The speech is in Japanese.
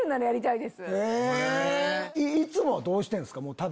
いつもはどうしてんすか？